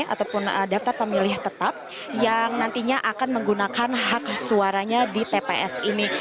ataupun daftar pemilih tetap yang nantinya akan menggunakan hak suaranya di tps ini